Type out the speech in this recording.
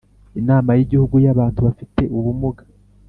Inama y Igihugu y abantu bafite ubumuga